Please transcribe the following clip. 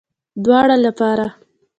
دواړو لپاره